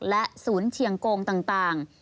และศูนย์เชียงโกงต่าง